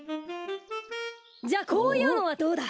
じゃあこういうのはどうだ？